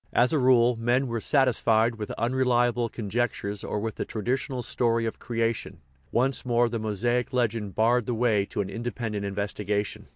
As a rule, men were satisfied with unreliable conjectures or with the tradi tional story of creation; once more the Mosaic legend barred the way to an independent investigation.